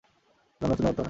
গান রচনা করতে পারতেন।